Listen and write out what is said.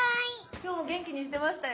今日も元気にしてましたよ。